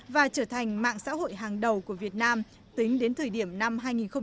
và trở thành mạng xã hội hàng đầu của việt nam tính đến thời điểm năm hai nghìn một mươi chín